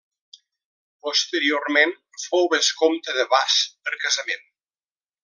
Posteriorment fou vescomte de Bas per casament.